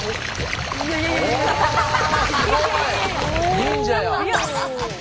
忍者や。